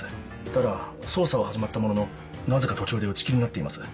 ただ捜査は始まったもののなぜか途中で打ち切りになっています。